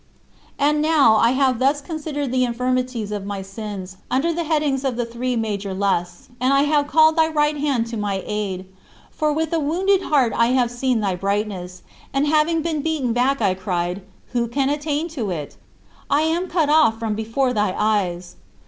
And now I have thus considered the infirmities of my sins, under the headings of the three major "lusts," and I have called thy right hand to my aid. For with a wounded heart I have seen thy brightness, and having been beaten back I cried: "Who can attain to it? I am cut off from before thy eyes."